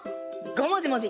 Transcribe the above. ごもじもじ。